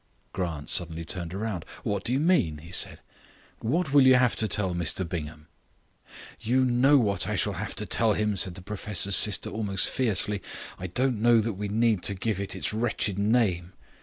Grant suddenly turned round. "What do you mean?" he said. "What will you have to tell Mr Bingham?" "You know what I shall have to tell him," said the professor's sister, almost fiercely. "I don't know that we need give it its wretched name.